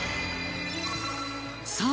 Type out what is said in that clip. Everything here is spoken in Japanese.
さあ